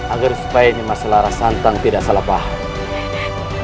agar supaya nimas larasantang tidak salah paham